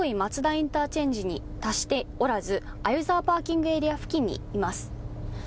インターチェンジに達しておらず鮎沢パーキングエリア付近にいます。